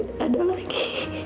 tidak ada lagi